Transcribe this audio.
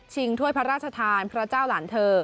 ถ้วยพระราชทานพระเจ้าหลานเธอ